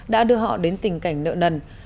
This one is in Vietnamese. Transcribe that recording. đã đưa họ đến tình cảnh nợ nần